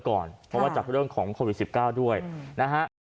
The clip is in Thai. เพราะว่าจากเรื่องของโควิด๑๙ด้วยนะฮะ